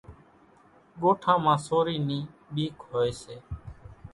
ڳوٺان مان سورِي نِي ٻيڪ هوئيَ سي۔